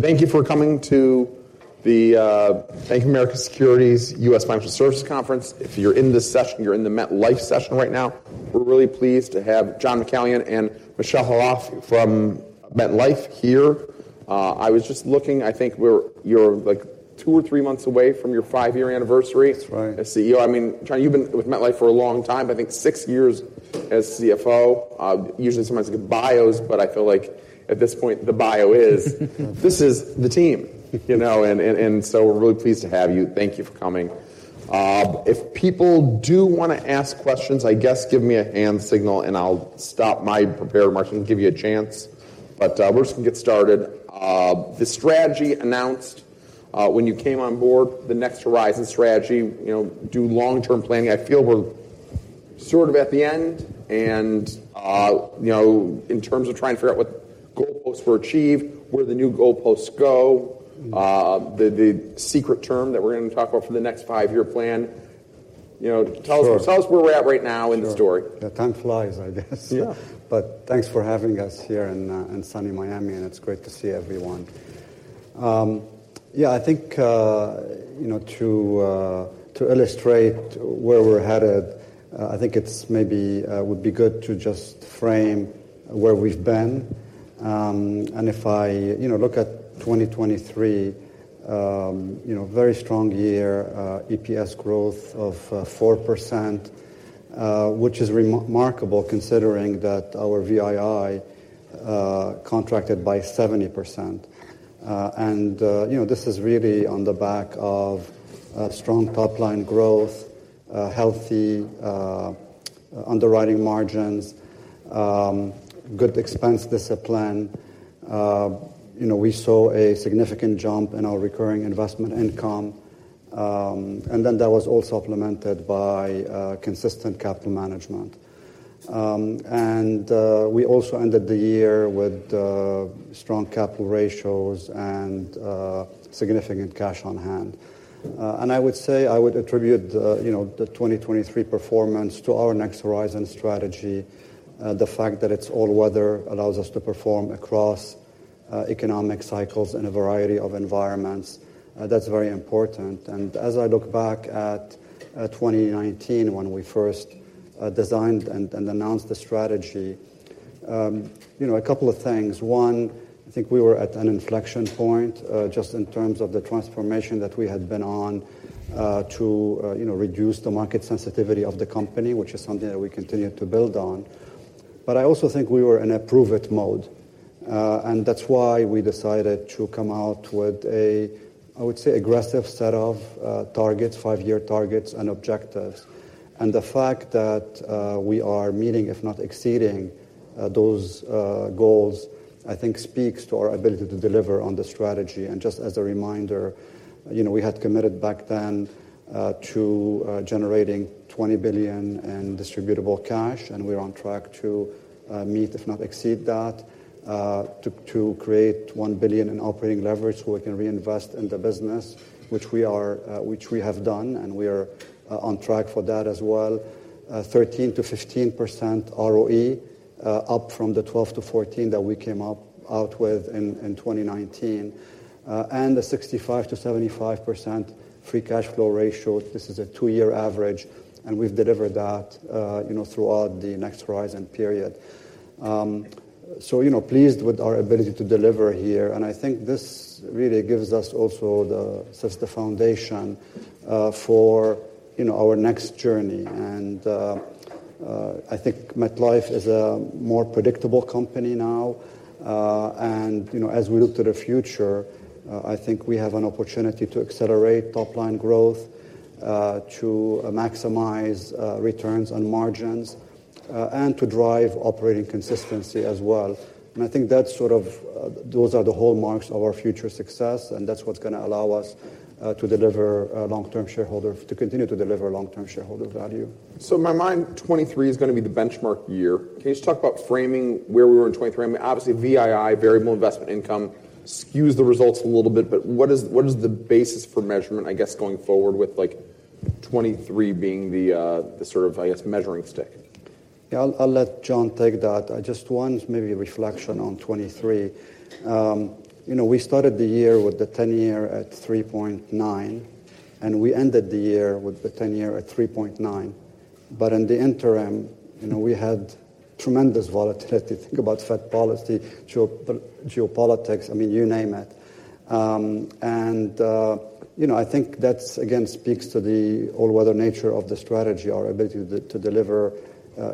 Thank you for coming to the Bank of America Securities U.S. Financial Services Conference. If you're in this session, you're in the MetLife session right now. We're really pleased to have John McCallion and Michel Khalaf from MetLife here. I was just looking. I think we're, like, two or three months away from your five-year anniversary as CEO. That's right. I mean, John, you've been with MetLife for a long time, but I think six years as CFO. Usually sometimes it gets bios, but I feel like at this point the bio is. This is the team, you know, and, and, and so we're really pleased to have you. Thank you for coming. If people do want to ask questions, I guess give me a hand signal and I'll stop my prepared remarks and give you a chance. But, we're just going to get started. The strategy announced, when you came on board, the Next Horizon strategy, you know, do long-term planning. I feel we're sort of at the end and, you know, in terms of trying to figure out what goalposts were achieved, where the new goalposts go, the secret term that we're going to talk about for the next five-year plan, you know, tell us, tell us where we're at right now in the story. Yeah, time flies, I guess. Yeah. Thanks for having us here in sunny Miami, and it's great to see everyone. Yeah, I think, you know, to illustrate where we're headed, I think it's maybe would be good to just frame where we've been. If I, you know, look at 2023, you know, very strong year, EPS growth of 4%, which is remarkable considering that our VII contracted by 70%. You know, this is really on the back of strong top-line growth, healthy underwriting margins, good expense discipline. You know, we saw a significant jump in our recurring investment income, and then that was all supplemented by consistent capital management. We also ended the year with strong capital ratios and significant cash on hand. I would say I would attribute, you know, the 2023 performance to our Next Horizon strategy, the fact that it's all-weather, allows us to perform across economic cycles in a variety of environments. That's very important. As I look back at 2019 when we first designed and announced the strategy, you know, a couple of things. One, I think we were at an inflection point, just in terms of the transformation that we had been on to, you know, reduce the market sensitivity of the company, which is something that we continue to build on. But I also think we were in prove-it mode, and that's why we decided to come out with a, I would say, aggressive set of targets, five-year targets, and objectives. The fact that we are meeting, if not exceeding, those goals, I think speaks to our ability to deliver on the strategy. Just as a reminder, you know, we had committed back then to generating $20 billion in distributable cash, and we're on track to meet, if not exceed that, to create $1 billion in operating leverage so we can reinvest in the business, which we are, which we have done, and we are on track for that as well. 13%-15% ROE, up from the 12%-14% that we came up out with in 2019. And a 65%-75% free cash flow ratio. This is a two-year average, and we've delivered that, you know, throughout the Next Horizon period. You know, pleased with our ability to deliver here. I think this really gives us, also, sets the foundation for, you know, our next journey. I think MetLife is a more predictable company now. You know, as we look to the future, I think we have an opportunity to accelerate top-line growth, to maximize returns and margins, and to drive operating consistency as well. I think that's sort of those are the hallmarks of our future success, and that's what's going to allow us to continue to deliver long-term shareholder value. So in my mind, 2023 is going to be the benchmark year. Can you just talk about framing where we were in 2023? I mean, obviously, VII, variable investment income, skews the results a little bit, but what is, what is the basis for measurement, I guess, going forward with, like, 2023 being the, the sort of, I guess, measuring stick? Yeah, I'll, I'll let John take that. I just want maybe a reflection on 2023. You know, we started the year with the 10-year at 3.9%, and we ended the year with the 10-year at 3.9%. But in the interim, you know, we had tremendous volatility. Think about Fed policy, geopolitics, I mean, you name it. And, you know, I think that's, again, speaks to the all-weather nature of the strategy, our ability to, to deliver,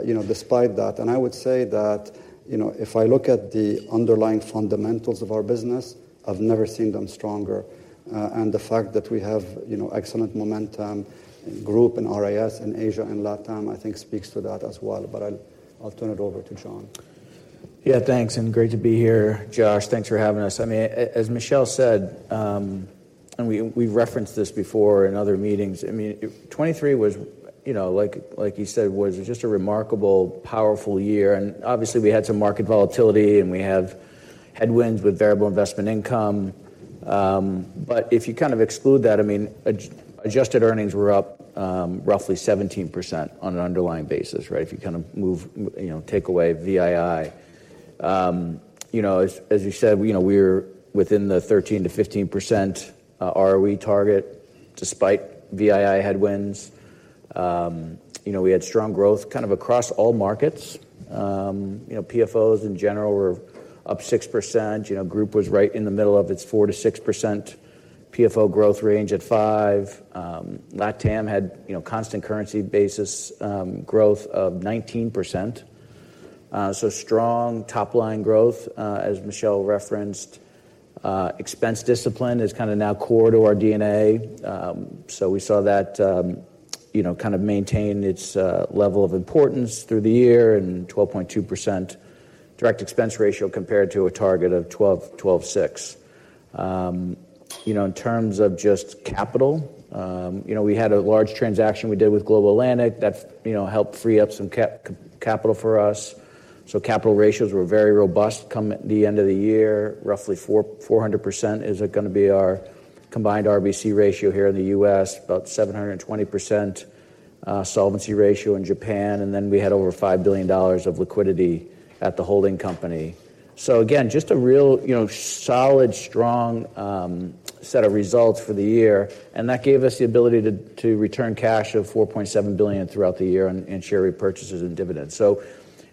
you know, despite that. And I would say that, you know, if I look at the underlying fundamentals of our business, I've never seen them stronger. And the fact that we have, you know, excellent momentum in group, in RIS, in Asia, in LatAm, I think speaks to that as well. But I'll, I'll turn it over to John. Yeah, thanks, and great to be here, Josh. Thanks for having us. I mean, as Michel said, and we, we've referenced this before in other meetings, I mean, 2023 was, you know, like, like you said, was just a remarkable, powerful year. And obviously we had some market volatility, and we have headwinds with variable investment income. But if you kind of exclude that, I mean, adjusted earnings were up, roughly 17% on an underlying basis, right, if you kind of move, you know, take away VII. You know, as you said, you know, we were within the 13%-15% ROE target despite VII headwinds. You know, we had strong growth kind of across all markets. You know, PFOs in general were up 6%. You know, group was right in the middle of its 4%-6% PFO growth range at 5%. LatAm had, you know, constant currency basis, growth of 19%. So strong top-line growth, as Michel referenced. Expense discipline is kind of now core to our DNA. So we saw that, you know, kind of maintain its level of importance through the year and 12.2% direct expense ratio compared to a target of 12.6%. You know, in terms of just capital, you know, we had a large transaction we did with Global Atlantic that, you know, helped free up some capital for us. So capital ratios were very robust come at the end of the year. Roughly 400% is going to be our combined RBC ratio here in the U.S., about 720%, solvency ratio in Japan. And then we had over $5 billion of liquidity at the holding company. So again, just a real, you know, solid, strong, set of results for the year. That gave us the ability to return cash of $4.7 billion throughout the year in share repurchases and dividends.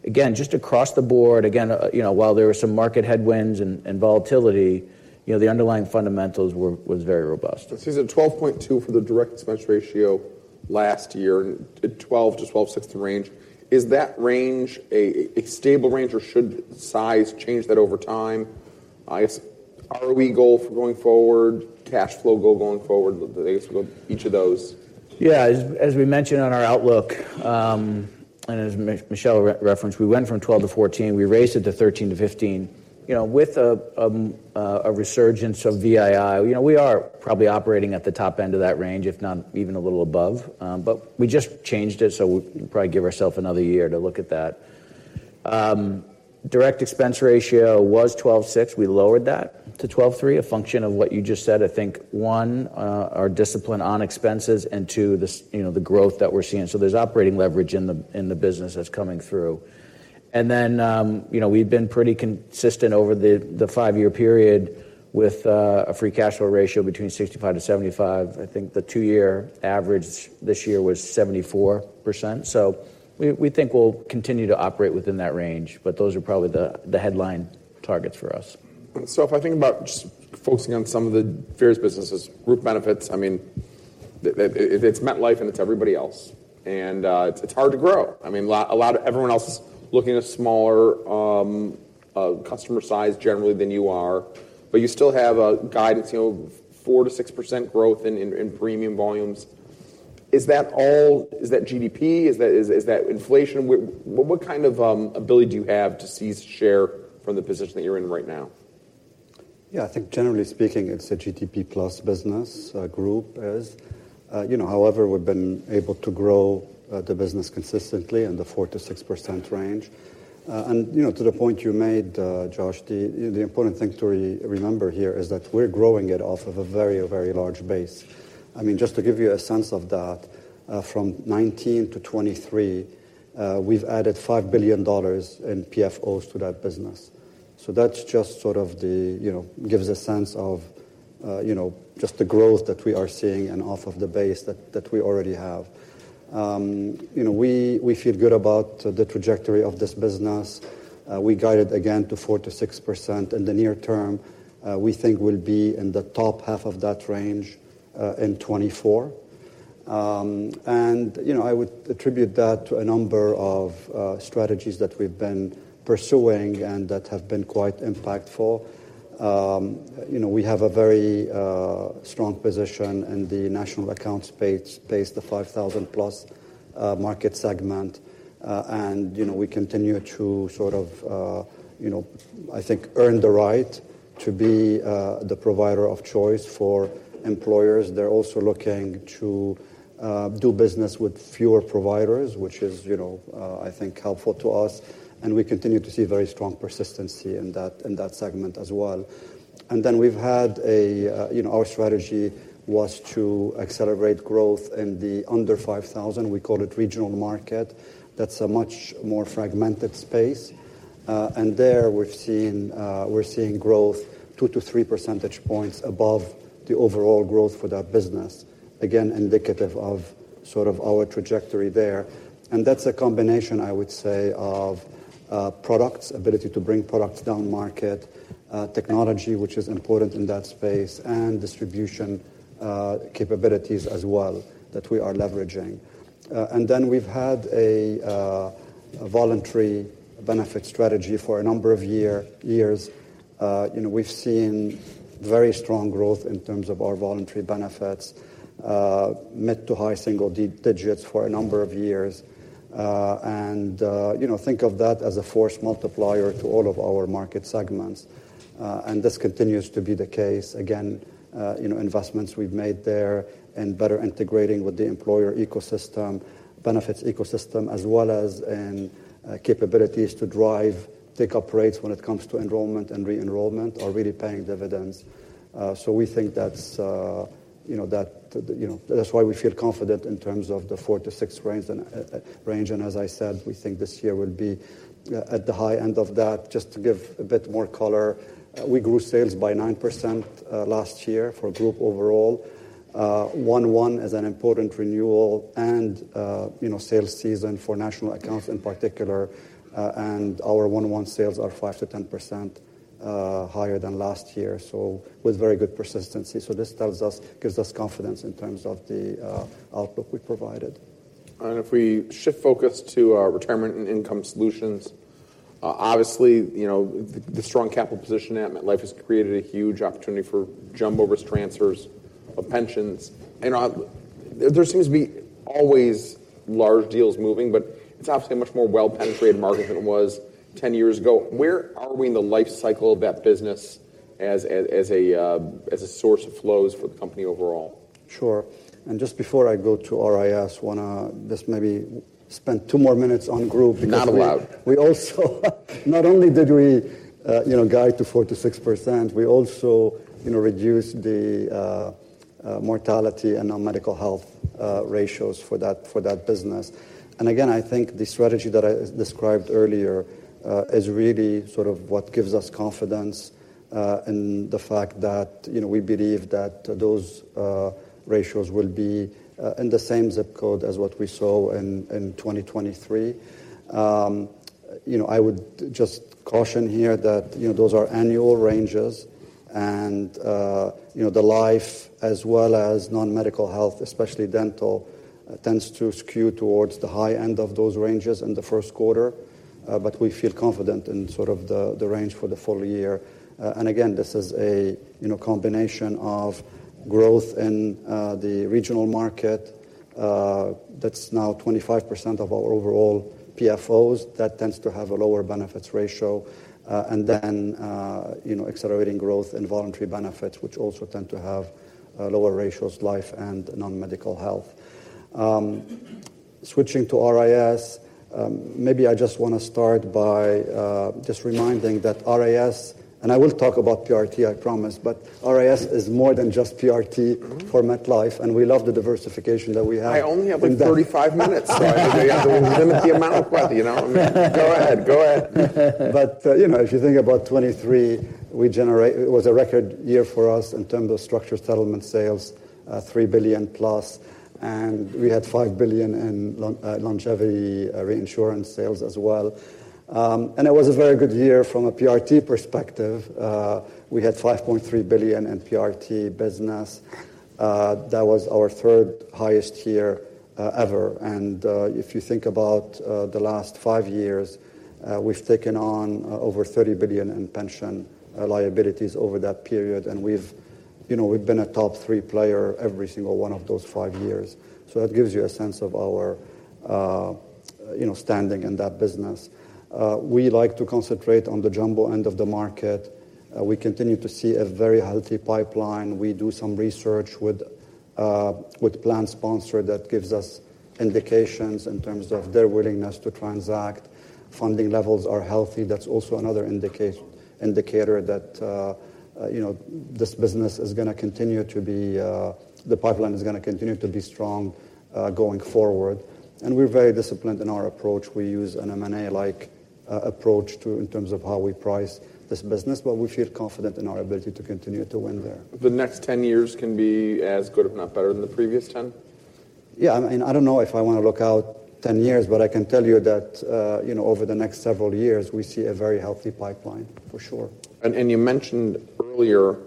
So again, just across the board, again, you know, while there were some market headwinds and volatility, you know, the underlying fundamentals were was very robust. So you said 12.2% for the Direct Expense Ratio last year, 12%-12.6% range. Is that range a stable range, or should size change that over time? I guess ROE goal for going forward, cash flow goal going forward, I guess each of those. Yeah, as we mentioned on our outlook, and as Michel referenced, we went from 12%-14%. We raised it to 13%-15%. You know, with a resurgence of VII, you know, we are probably operating at the top end of that range, if not even a little above. But we just changed it, so we'd probably give ourselves another year to look at that. Direct expense ratio was 12.6%. We lowered that to 12.3% a function of what you just said, I think, one, our discipline on expenses, and two, the growth that we're seeing. So there's operating leverage in the business that's coming through. And then, you know, we've been pretty consistent over the five-year period with a free cash flow ratio between 65%-75%. I think the two-year average this year was 74%. So we think we'll continue to operate within that range, but those are probably the headline targets for us. So if I think about just focusing on some of the various businesses, Group Benefits, I mean, that's MetLife and it's everybody else. And it's hard to grow. I mean, a lot of everyone else is looking at smaller customer size generally than you are, but you still have a guidance, you know, 4%-6% growth in premium volumes. Is that all? Is that GDP? Is that inflation? What kind of ability do you have to seize share from the position that you're in right now? Yeah, I think generally speaking, it's a GDP+ business, group is. You know, however, we've been able to grow the business consistently in the 4%-6% range. And, you know, to the point you made, Josh, the important thing to re-remember here is that we're growing it off of a very, very large base. I mean, just to give you a sense of that, from 2019 to 2023, we've added $5 billion in PFOs to that business. So that's just sort of the, you know, gives a sense of, you know, just the growth that we are seeing and off of the base that we already have. You know, we feel good about the trajectory of this business. We guided again to 4%-6% in the near term. We think we'll be in the top half of that range, in 2024. You know, I would attribute that to a number of strategies that we've been pursuing and that have been quite impactful. You know, we have a very strong position in the National Accounts space, the 5,000+ market segment. And, you know, we continue to sort of, you know, I think earn the right to be the provider of choice for employers. They're also looking to do business with fewer providers, which is, you know, I think helpful to us. And we continue to see very strong persistency in that segment as well. And then we've had a, you know, our strategy was to accelerate growth in the under 5,000. We call it Regional Market. That's a much more fragmented space. There we've seen, we're seeing growth 2-3 percentage points above the overall growth for that business, again, indicative of sort of our trajectory there. And that's a combination, I would say, of products, ability to bring products down market, technology, which is important in that space, and distribution capabilities as well that we are leveraging. And then we've had a voluntary benefit strategy for a number of years. You know, we've seen very strong growth in terms of our voluntary benefits, mid- to high-single digits for a number of years. And, you know, think of that as a force multiplier to all of our market segments. And this continues to be the case. Again, you know, investments we've made there in better integrating with the employer ecosystem, benefits ecosystem, as well as in capabilities to drive take up rates when it comes to enrollment and re-enrollment, are really paying dividends. So we think that's, you know, that, you know, that's why we feel confident in terms of the 4%-6% range. And as I said, we think this year will be at the high end of that. Just to give a bit more color, we grew sales by 9% last year for group overall. Q1 is an important renewal and, you know, sales season for National Accounts in particular. And our Q1 sales are 5%-10% higher than last year, so with very good persistency. So this tells us, gives us confidence in terms of the outlook we provided. If we shift focus to Retirement and Income Solutions, obviously, you know, the strong capital position at MetLife has created a huge opportunity for jumbo pension risk transfers. You know, there seems to be always large deals moving, but it's obviously a much more well-penetrated market than it was 10 years ago. Where are we in the life cycle of that business as a source of flows for the company overall? Sure. And just before I go to RIS, want to just maybe spend two more minutes on group because. Not allowed. We also not only did we, you know, guide to 4%-6%, we also, you know, reduced the mortality and non-medical health ratios for that, for that business. And again, I think the strategy that I described earlier is really sort of what gives us confidence in the fact that, you know, we believe that those ratios will be in the same zip code as what we saw in 2023. You know, I would just caution here that, you know, those are annual ranges. And, you know, the life as well as non-medical health, especially dental, tends to skew towards the high end of those ranges in the first quarter. But we feel confident in sort of the range for the full year. And again, this is a, you know, combination of growth in the Regional Market. That's now 25% of our overall PFOs. That tends to have a lower benefits ratio. And then, you know, accelerating growth in voluntary benefits, which also tend to have lower ratios, life and non-medical health. Switching to RIS, maybe I just want to start by, just reminding that RIS and I will talk about PRT, I promise, but RIS is more than just PRT for MetLife, and we love the diversification that we have. I only have like 35 minutes, so I think I have to limit the amount of questions, you know what I mean? Go ahead, go ahead. But, you know, if you think about 2023, we generate it was a record year for us in terms of structured settlement sales, $3 billion+. We had $5 billion in longevity reinsurance sales as well. It was a very good year from a PRT perspective. We had $5.3 billion in PRT business. That was our third highest year, ever. If you think about the last five years, we've taken on over $30 billion in pension liabilities over that period. We've, you know, we've been a top three player every single one of those five years. So that gives you a sense of our, you know, standing in that business. We like to concentrate on the jumbo end of the market. We continue to see a very healthy pipeline. We do some research with PlanSponsor that gives us indications in terms of their willingness to transact. Funding levels are healthy. That's also another indicator that, you know, this business is going to continue to be, the pipeline is going to continue to be strong, going forward. And we're very disciplined in our approach. We use an M&A-like approach to in terms of how we price this business, but we feel confident in our ability to continue to win there. The next 10 years can be as good if not better than the previous 10? Yeah, I mean, I don't know if I want to look out 10 years, but I can tell you that, you know, over the next several years, we see a very healthy pipeline for sure. And you mentioned earlier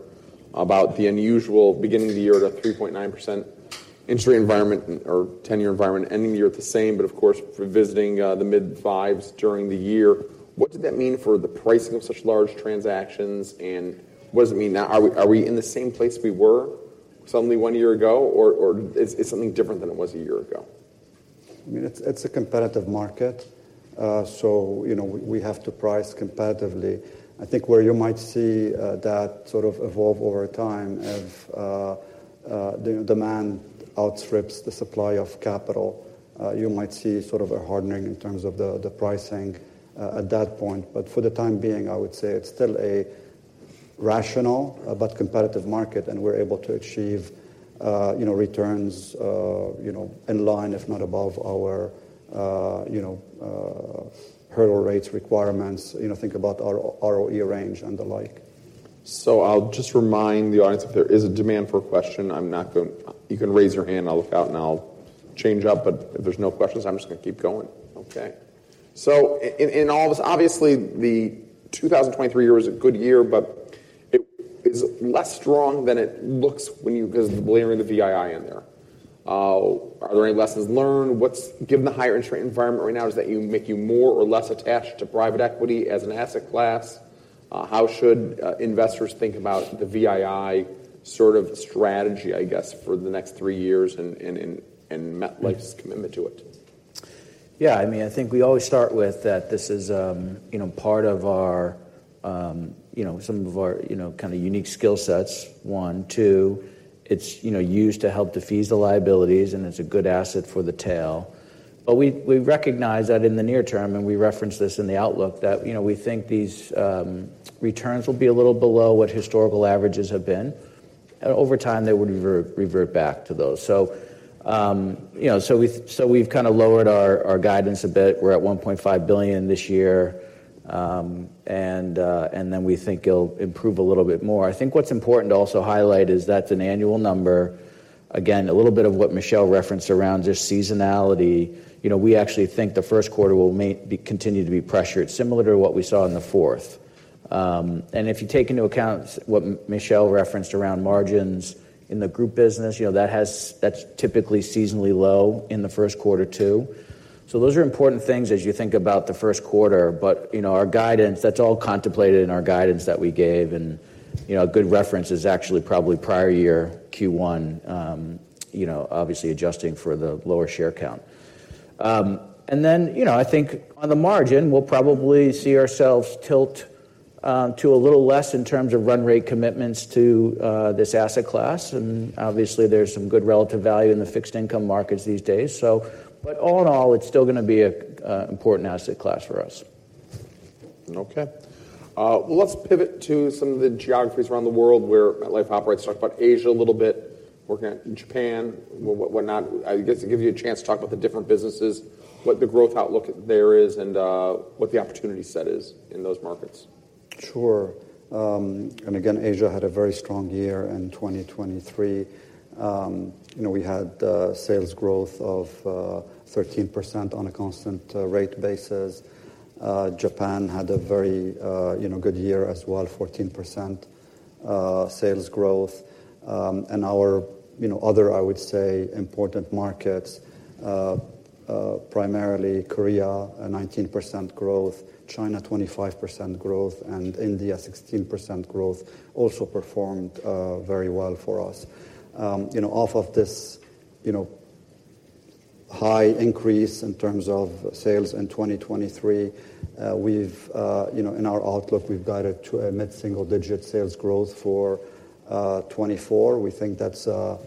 about the unusual beginning of the year at a 3.9% industry environment or 10-year environment, ending the year at the same, but of course, revisiting the mid-fives during the year. What did that mean for the pricing of such large transactions, and what does it mean now? Are we in the same place we were suddenly one year ago, or is something different than it was a year ago? I mean, it's a competitive market. So, you know, we have to price competitively. I think where you might see that sort of evolve over time, if the demand outstrips the supply of capital, you might see sort of a hardening in terms of the pricing at that point. But for the time being, I would say it's still a rational but competitive market, and we're able to achieve, you know, returns, you know, in line, if not above our, you know, hurdle rates requirements. You know, think about our ROE range and the like. So I'll just remind the audience if there is a demand for a question, I'm not going to you can raise your hand. I'll look out and I'll change up, but if there's no questions, I'm just going to keep going. Okay. So in all this, obviously, the 2023 year was a good year, but it is less strong than it looks when you because they're layering the VII in there. Are there any lessons learned? What's given the higher interest rate environment right now? Does that make you more or less attached to private equity as an asset class? How should investors think about the VII sort of strategy, I guess, for the next three years and MetLife's commitment to it? Yeah, I mean, I think we always start with that this is, you know, part of our, you know, some of our, you know, kind of unique skill sets, one, two. It's, you know, used to help defease the liabilities, and it's a good asset for the tail. But we, we recognize that in the near term, and we reference this in the outlook, that, you know, we think these returns will be a little below what historical averages have been. And over time, they would revert back to those. So, you know, so we've kind of lowered our guidance a bit. We're at $1.5 billion this year, and then we think it'll improve a little bit more. I think what's important to also highlight is that's an annual number. Again, a little bit of what Michel referenced around just seasonality. You know, we actually think the first quarter will continue to be pressured, similar to what we saw in the fourth. And if you take into account what Michel referenced around margins in the group business, you know, that's typically seasonally low in the first quarter too. So those are important things as you think about the first quarter. But, you know, our guidance, that's all contemplated in our guidance that we gave. And, you know, a good reference is actually probably prior year, Q1, you know, obviously adjusting for the lower share count. And then, you know, I think on the margin, we'll probably see ourselves tilt to a little less in terms of run rate commitments to this asset class. And obviously, there's some good relative value in the fixed income markets these days. All in all, it's still going to be a important asset class for us. Okay. Well, let's pivot to some of the geographies around the world where MetLife operates. Talk about Asia a little bit, working at Japan, whatnot. I guess to give you a chance to talk about the different businesses, what the growth outlook there is, and what the opportunity set is in those markets. Sure. Again, Asia had a very strong year in 2023. You know, we had sales growth of 13% on a constant rate basis. Japan had a very, you know, good year as well, 14% sales growth. And our, you know, other, I would say, important markets, primarily Korea, 19% growth, China, 25% growth, and India, 16% growth, also performed very well for us. You know, off of this, you know, high increase in terms of sales in 2023, we've, you know, in our outlook, we've guided to a mid-single-digit sales growth for 2024. We think that's a,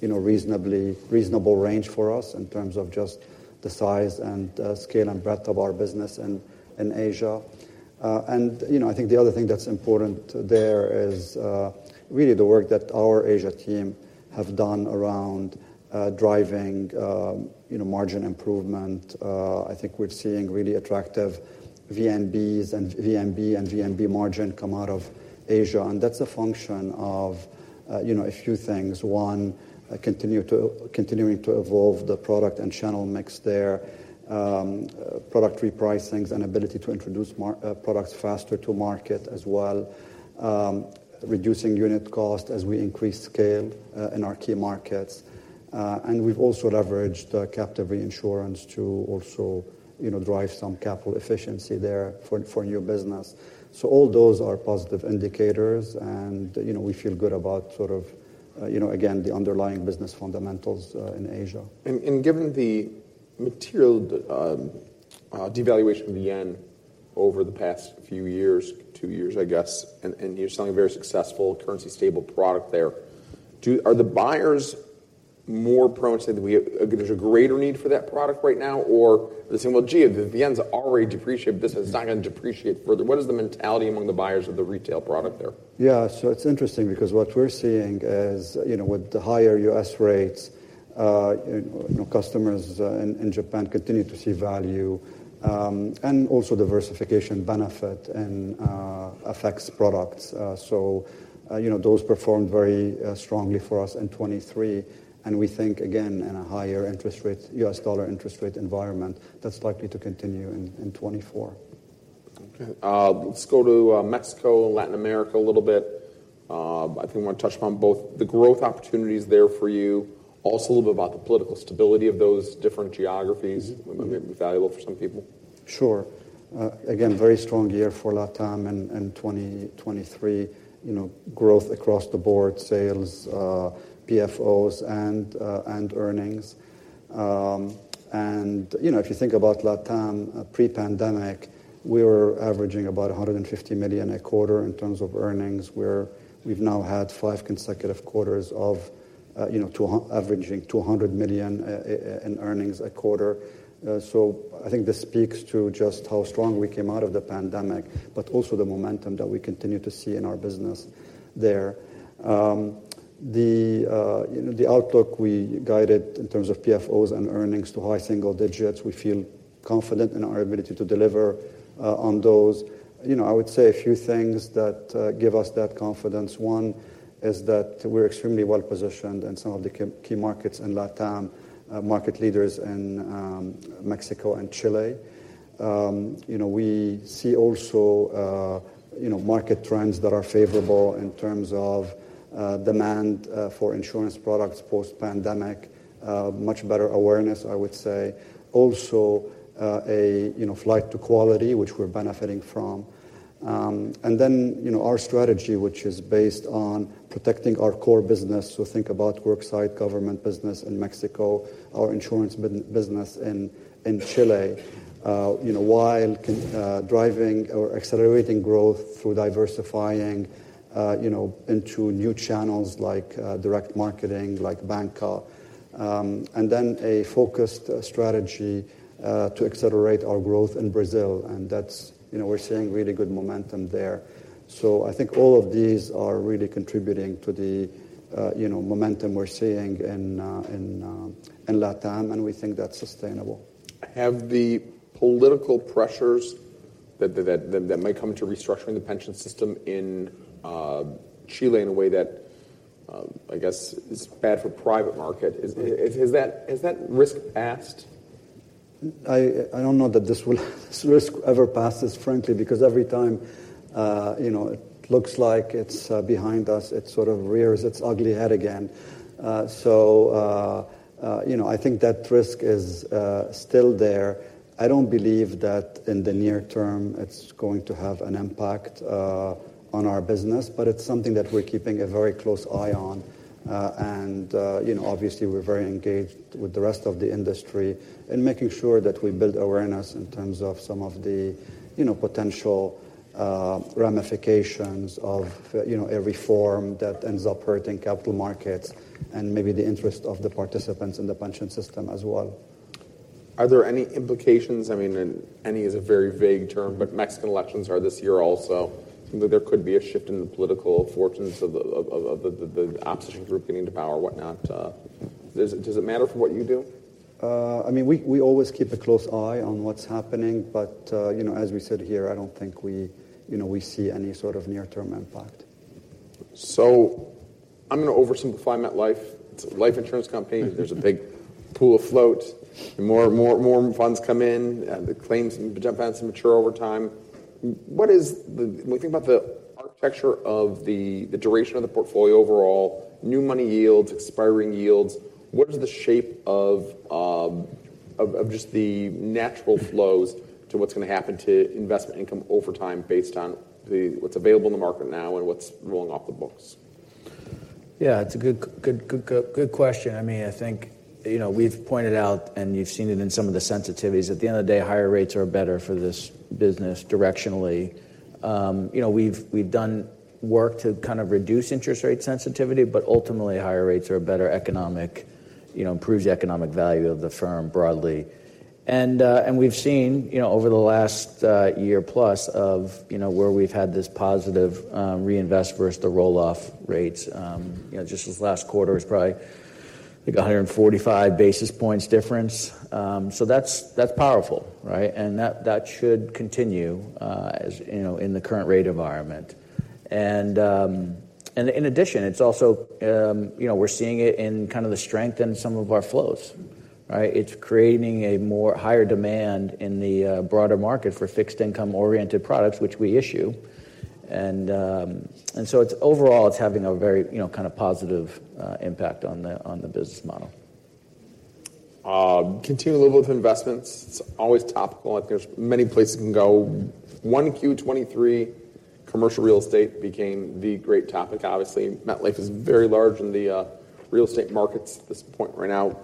you know, reasonably reasonable range for us in terms of just the size and scale and breadth of our business in Asia. And, you know, I think the other thing that's important there is really the work that our Asia team have done around driving, you know, margin improvement. I think we're seeing really attractive VNBs and VNB and VNB margin come out of Asia. And that's a function of, you know, a few things. One, continuing to evolve the product and channel mix there, product repricings and ability to introduce products faster to market as well, reducing unit cost as we increase scale in our key markets. We've also leveraged captive reinsurance to also, you know, drive some capital efficiency there for new business. So all those are positive indicators. And, you know, we feel good about sort of, you know, again, the underlying business fundamentals in Asia. Given the material devaluation of the yen over the past few years, two years, I guess, and you're selling a very successful currency-stable product there, are the buyers more prone to say that there's a greater need for that product right now, or are they saying, "Well, gee, the yen's already depreciated. This is not going to depreciate further"? What is the mentality among the buyers of the retail product there? Yeah, so it's interesting because what we're seeing is, you know, with the higher U.S. rates, you know, customers in Japan continue to see value, and also diversification benefit in FX products. So, you know, those performed very strongly for us in 2023. And we think, again, in a higher interest rate, U.S. dollar interest rate environment, that's likely to continue in 2024. Okay. Let's go to Mexico and Latin America a little bit. I think we want to touch upon both the growth opportunities there for you, also a little bit about the political stability of those different geographies, maybe valuable for some people. Sure. Again, very strong year for LatAm in 2023, you know, growth across the board, sales, PFOs, and earnings. You know, if you think about LatAm pre-pandemic, we were averaging about $150 million a quarter in terms of earnings. We've now had five consecutive quarters of, you know, averaging $200 million in earnings a quarter. So I think this speaks to just how strong we came out of the pandemic, but also the momentum that we continue to see in our business there. The, you know, the outlook we guided in terms of PFOs and earnings to high single digits, we feel confident in our ability to deliver on those. You know, I would say a few things that give us that confidence. One is that we're extremely well-positioned in some of the key markets in LatAm, market leaders in Mexico and Chile. You know, we see also, you know, market trends that are favorable in terms of demand for insurance products post-pandemic, much better awareness, I would say, also a, you know, flight to quality, which we're benefiting from. And then, you know, our strategy, which is based on protecting our core business, so think about worksite, government business in Mexico, our insurance business in Chile, you know, while driving or accelerating growth through diversifying, you know, into new channels like direct marketing, like banca, and then a focused strategy to accelerate our growth in Brazil. And that's, you know, we're seeing really good momentum there. So I think all of these are really contributing to the, you know, momentum we're seeing in LatAm, and we think that's sustainable. Have the political pressures that might come into restructuring the pension system in Chile in a way that I guess is bad for private market, has that risk passed? I don't know that this risk ever passes, frankly, because every time, you know, it looks like it's behind us, it sort of rears its ugly head again. So, you know, I think that risk is still there. I don't believe that in the near term, it's going to have an impact on our business, but it's something that we're keeping a very close eye on. And, you know, obviously, we're very engaged with the rest of the industry in making sure that we build awareness in terms of some of the, you know, potential ramifications of, you know, a reform that ends up hurting capital markets and maybe the interest of the participants in the pension system as well. Are there any implications? I mean, and any is a very vague term, but Mexican elections are this year also. Seems like there could be a shift in the political fortunes of the opposition group getting to power, whatnot. Does it matter for what you do? I mean, we always keep a close eye on what's happening, but, you know, as we said here, I don't think we, you know, see any sort of near-term impact. So I'm going to oversimplify MetLife. It's a life insurance company. There's a big pool afloat. More, more, more funds come in, and the claims jump in and mature over time. What is the, when we think about the architecture of the duration of the portfolio overall, new money yields, expiring yields, what is the shape of just the natural flows to what's going to happen to investment income over time based on what's available in the market now and what's rolling off the books? Yeah, it's a good, good, good, good question. I mean, I think, you know, we've pointed out, and you've seen it in some of the sensitivities, at the end of the day, higher rates are better for this business directionally. You know, we've, we've done work to kind of reduce interest rate sensitivity, but ultimately, higher rates are a better economic, you know, improves the economic value of the firm broadly. And, and we've seen, you know, over the last, year plus of, you know, where we've had this positive, reinvest versus the roll-off rates, you know, just this last quarter is probably, I think, 145 basis points difference. So that's, that's powerful, right? And that, that should continue, as, you know, in the current rate environment. And, and in addition, it's also, you know, we're seeing it in kind of the strength in some of our flows, right? It's creating a more higher demand in the broader market for fixed income-oriented products, which we issue. And, and so it's overall, it's having a very, you know, kind of positive impact on the on the business model. Continue a little bit with investments. It's always topical. I think there's many places it can go. 1Q 2023, commercial real estate became the great topic, obviously. MetLife is very large in the real estate markets at this point right now.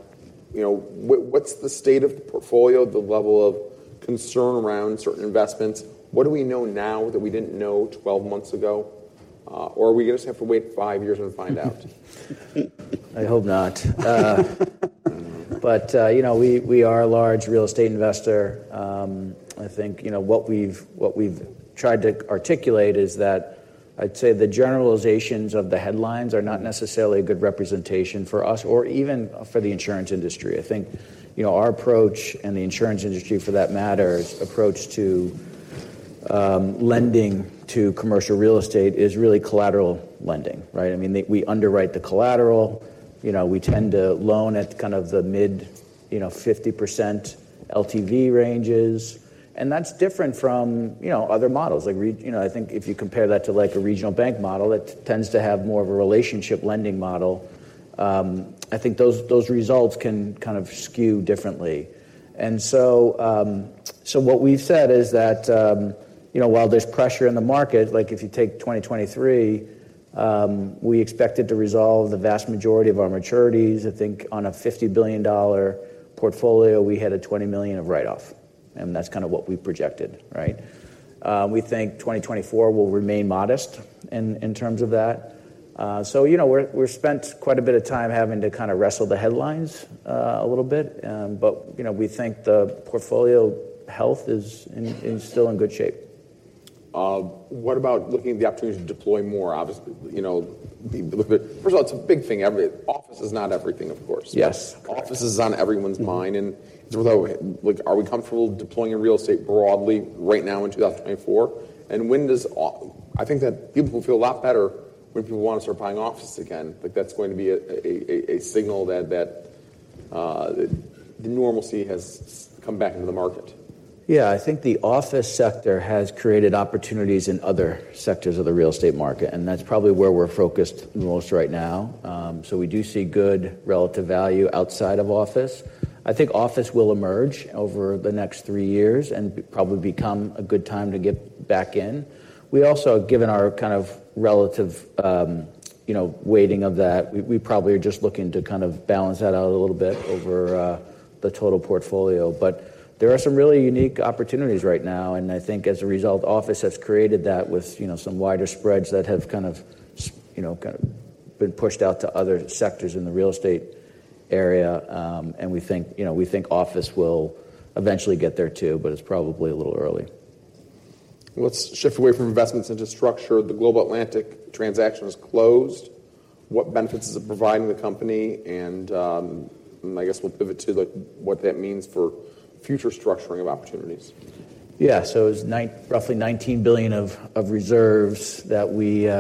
You know, what's the state of the portfolio, the level of concern around certain investments? What do we know now that we didn't know 12 months ago? Or are we going to have to wait five years and find out? I hope not. But, you know, we, we are a large real estate investor. I think, you know, what we've tried to articulate is that I'd say the generalizations of the headlines are not necessarily a good representation for us or even for the insurance industry. I think, you know, our approach and the insurance industry, for that matter, approach to lending to commercial real estate is really collateral lending, right? I mean, we underwrite the collateral. You know, we tend to loan at kind of the mid-50% LTV ranges. And that's different from, you know, other models. Like, you know, I think if you compare that to, like, a regional bank model, it tends to have more of a relationship lending model. I think those results can kind of skew differently. So what we've said is that, you know, while there's pressure in the market, like if you take 2023, we expected to resolve the vast majority of our maturities. I think on a $50 billion portfolio, we had a $20 million of write-off. And that's kind of what we projected, right? We think 2024 will remain modest in terms of that. So, you know, we've spent quite a bit of time having to kind of wrestle the headlines, a little bit. But, you know, we think the portfolio health is still in good shape. What about looking at the opportunities to deploy more, obviously, you know, a little bit? First of all, it's a big thing. Office is not everything, of course. Yes. Office is on everyone's mind. You know, like, are we comfortable deploying in real estate broadly right now in 2024? And when do I think that people will feel a lot better when people want to start buying offices again. Like, that's going to be a signal that the normalcy has come back into the market. Yeah, I think the office sector has created opportunities in other sectors of the real estate market. And that's probably where we're focused the most right now. So we do see good relative value outside of office. I think office will emerge over the next three years and probably become a good time to get back in. We also, given our kind of relative, you know, weighting of that, we probably are just looking to kind of balance that out a little bit over the total portfolio. But there are some really unique opportunities right now. And I think as a result, office has created that with, you know, some wider spreads that have kind of, you know, been pushed out to other sectors in the real estate area. We think, you know, we think office will eventually get there too, but it's probably a little early. Let's shift away from investments into structure. The Global Atlantic transaction is closed. What benefits is it providing the company? And, I guess we'll pivot to, like, what that means for future structuring of opportunities. Yeah, so it was roughly $19 billion of reserves that we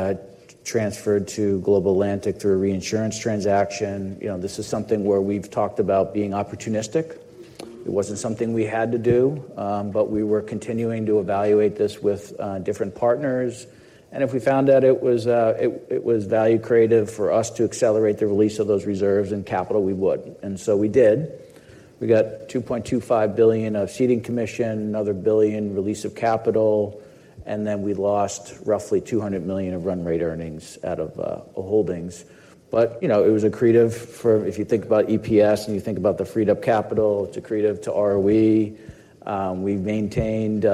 transferred to Global Atlantic through a reinsurance transaction. You know, this is something where we've talked about being opportunistic. It wasn't something we had to do, but we were continuing to evaluate this with different partners. And if we found out it was value accretive for us to accelerate the release of those reserves and capital, we would. And so we did. We got $2.25 billion of ceding commission, another $1 billion release of capital, and then we lost roughly $200 million of run rate earnings out of holdings. But, you know, it was accretive for if you think about EPS and you think about the freed up capital, it's accretive to ROE. We've maintained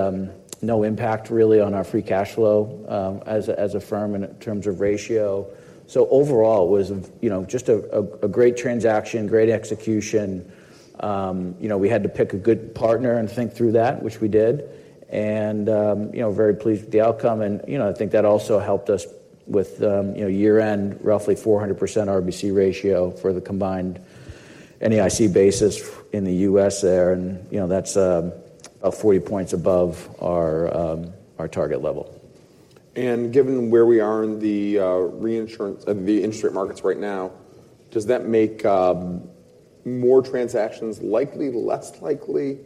no impact really on our free cash flow, as a firm in terms of ratio. So overall, it was, you know, just a great transaction, great execution. You know, we had to pick a good partner and think through that, which we did, and, you know, very pleased with the outcome. And, you know, I think that also helped us with, you know, year-end roughly 400% RBC ratio for the combined NAIC basis in the U.S. there. And, you know, that's about 40 points above our target level. Given where we are in the reinsurance of the interest rate markets right now, does that make more transactions likely, less likely?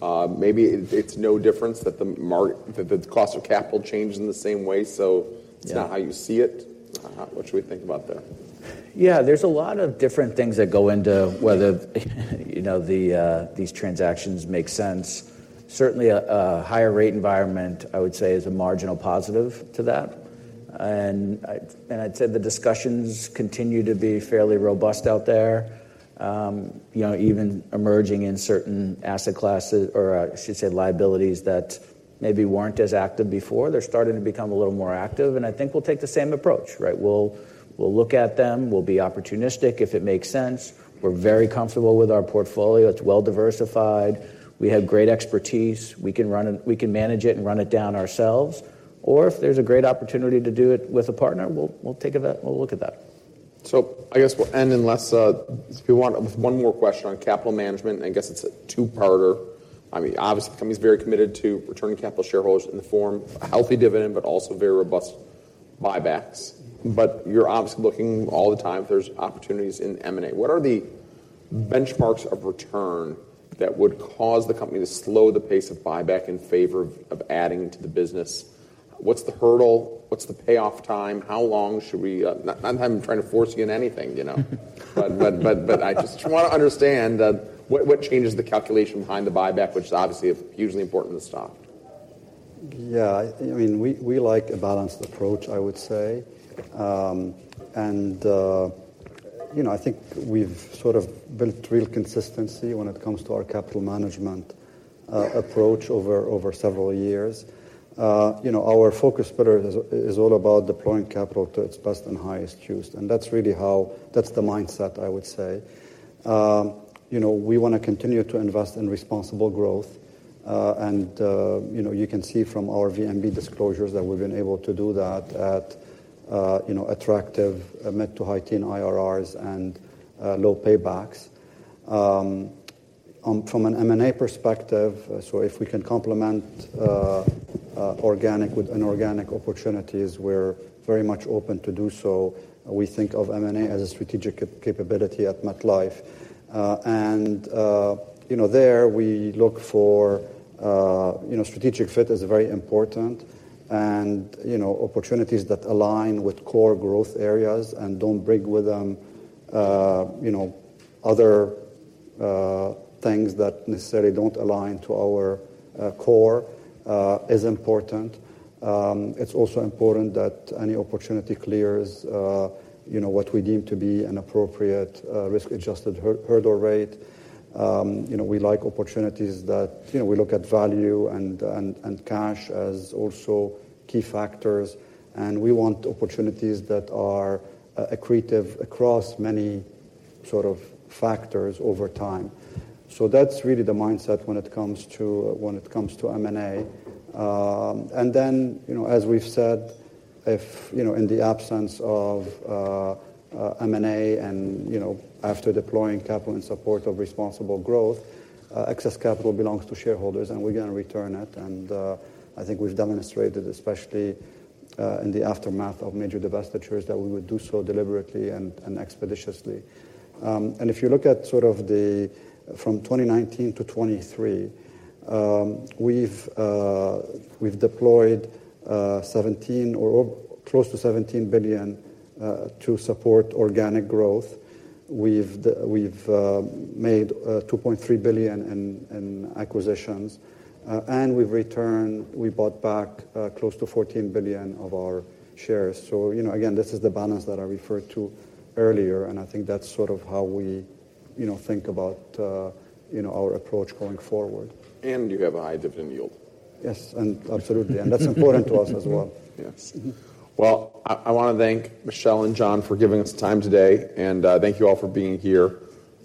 Maybe it's no difference that the market that the cost of capital changed in the same way, so it's not how you see it? What should we think about there? Yeah, there's a lot of different things that go into whether, you know, the, these transactions make sense. Certainly, a higher rate environment, I would say, is a marginal positive to that. And I'd say the discussions continue to be fairly robust out there, you know, even emerging in certain asset classes or, I should say, liabilities that maybe weren't as active before. They're starting to become a little more active. And I think we'll take the same approach, right? We'll look at them. We'll be opportunistic if it makes sense. We're very comfortable with our portfolio. It's well-diversified. We have great expertise. We can run it, we can manage it and run it down ourselves. Or if there's a great opportunity to do it with a partner, we'll take a look at that. So I guess we'll end unless, if you want one more question on capital management. And I guess it's a two-parter. I mean, obviously, the company's very committed to returning capital to shareholders in the form of healthy dividend, but also very robust buybacks. But you're obviously looking all the time if there's opportunities in M&A. What are the benchmarks of return that would cause the company to slow the pace of buyback in favor of adding to the business? What's the hurdle? What's the payoff time? How long should we not that I'm trying to force you into anything, you know? But, but, but, but I just want to understand what changes the calculation behind the buyback, which is obviously hugely important in the stock. Yeah, I mean, we like a balanced approach, I would say. And, you know, I think we've sort of built real consistency when it comes to our capital management approach over several years. You know, our focus better is all about deploying capital to its best and highest use. And that's really how that's the mindset, I would say. You know, we want to continue to invest in responsible growth. And, you know, you can see from our VNB disclosures that we've been able to do that at, you know, attractive mid- to high-teens IRRs and low paybacks. From an M&A perspective, so if we can complement organic with inorganic opportunities, we're very much open to do so. We think of M&A as a strategic capability at MetLife. And, you know, there, we look for, you know, strategic fit is very important. And, you know, opportunities that align with core growth areas and don't bring with them, you know, other things that necessarily don't align to our core, is important. It's also important that any opportunity clears, you know, what we deem to be an appropriate, risk-adjusted hurdle rate. You know, we like opportunities that, you know, we look at value and cash as also key factors. And we want opportunities that are accretive across many sort of factors over time. So that's really the mindset when it comes to M&A. And then, you know, as we've said, you know, in the absence of M&A and, you know, after deploying capital in support of responsible growth, excess capital belongs to shareholders, and we're going to return it. I think we've demonstrated, especially in the aftermath of major divestitures, that we would do so deliberately and expeditiously. If you look at sort of the from 2019 to 2023, we've deployed 17 or close to $17 billion to support organic growth. We've made $2.3 billion in acquisitions. And we've returned. We bought back close to $14 billion of our shares. So, you know, again, this is the balance that I referred to earlier. I think that's sort of how we, you know, think about, you know, our approach going forward. You have a high dividend yield. Yes, and absolutely. That's important to us as well. Yes. Well, I want to thank Michel and John for giving us time today. Thank you all for being here.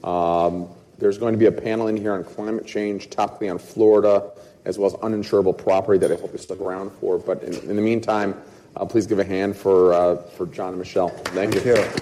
There's going to be a panel in here on climate change, topically on Florida, as well as uninsurable property that I hope you stick around for. But in the meantime, please give a hand for John and Michel. Thank you. Thank you.